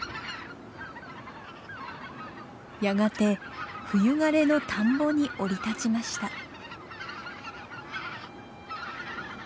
やがて冬枯れの田んぼに降り立ちました。